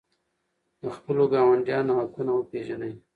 د خپلو ګاونډیانو حقونه وپېژنئ.